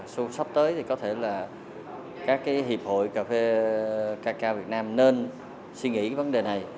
số sắp tới thì có thể là các cái hiệp hội cà phê ca cao việt nam nên suy nghĩ cái vấn đề này